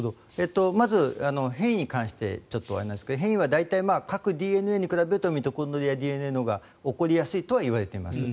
まず、変異に関してですが変異は大体、核ＤＮＡに比べるとミトコンドリアＤＮＡのほうが起こりやすいとはいわれています。